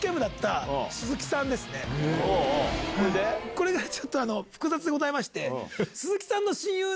これがちょっと複雑でございまして。